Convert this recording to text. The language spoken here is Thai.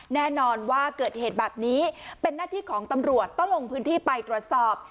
แน่นอนว่าเกิดเหตุแบบนี้เป็นหน้าที่ของตำรวจต้องลงพื้นที่ไปตรวจสอบ